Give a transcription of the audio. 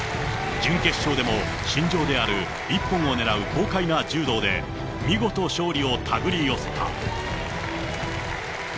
準決勝でも信条である一本を狙う豪快な柔道で、見事勝利を手繰り寄せた。